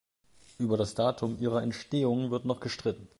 Über das Datum ihrer Entstehung wird noch gestritten.